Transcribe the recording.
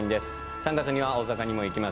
３月には大阪にも行きます。